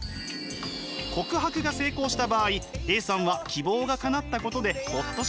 告白が成功した場合Ａさんは希望がかなったことでホッとします。